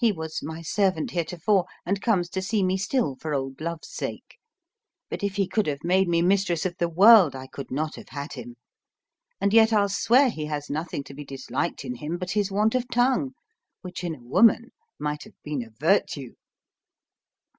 He was my servant heretofore, and comes to see me still for old love's sake; but if he could have made me mistress of the world I could not have had him; and yet I'll swear he has nothing to be disliked in him but his want of tongue, which in a woman might have been a virtue.